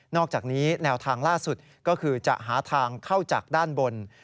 อกจากนี้แนวทางล่าสุดก็คือจะหาทางเข้าจากด้านบน